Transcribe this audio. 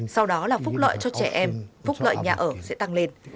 sau đó là phúc lợi cho trẻ em phúc lợi nhà ở sẽ tăng lên